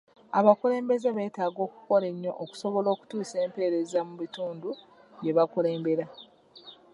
Abakulembeze betaaga okukola ennyo okusobola okutuusa empereza mu bitundu byebakulembera.